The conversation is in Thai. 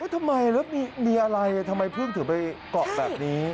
ทำไมแล้วมีอะไรทำไมพึ่งถึงไปเกาะแบบนี้